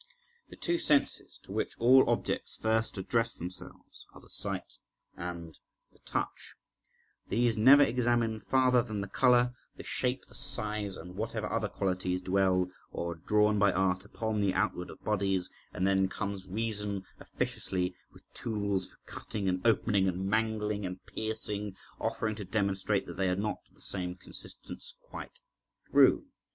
The two senses to which all objects first address themselves are the sight and the touch; these never examine farther than the colour, the shape, the size, and whatever other qualities dwell or are drawn by art upon the outward of bodies; and then comes reason officiously, with tools for cutting, and opening, and mangling, and piercing, offering to demonstrate that they are not of the same consistence quite through.